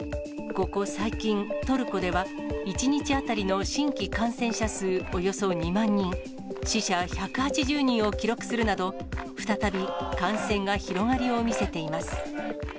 ここ最近、トルコでは、１日当たりの新規感染者数およそ２万人、死者１８０人を記録するなど、再び感染が広がりを見せています。